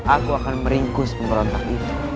aku akan meringkus pemberontak itu